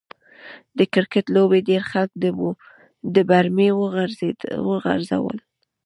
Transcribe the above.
د کرکټ لوبې ډېر خلک د برمې و غورځول.